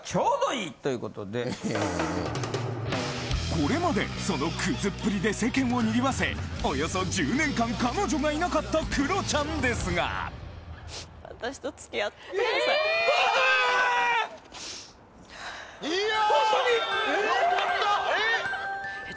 これまでそのクズっぷりで世間を賑わせおよそ１０年間彼女がいなかったクロちゃんですがええっ！